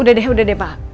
udah deh udah deh pak